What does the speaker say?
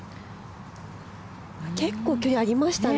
結構距離ありましたよね。